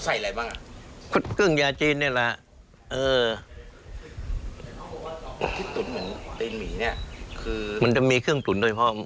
เออที่ตุ๋นเหมือนตีนหมี่เนี่ยคือมันจะมีเครื่องตุ๋นด้วยเพราะมัน